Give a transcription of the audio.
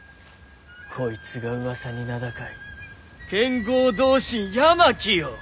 こいつがうわさに名高い剣豪同心八巻よ。